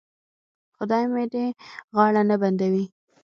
خدای مې دې غاړه نه بندوي.